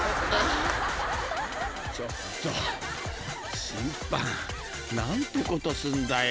［ちょっと審判何てことするんだよ］